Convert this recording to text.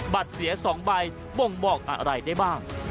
บัตรเสีย๒ใบบ่งบอกอะไรได้บ้าง